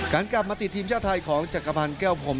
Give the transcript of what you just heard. กลับมาติดทีมชาติไทยของจักรพันธ์แก้วพรม